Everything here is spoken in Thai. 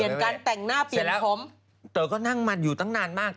เสร็จแล้วเต๋อนก็นั่งมาอยู่ตั้งนานมาก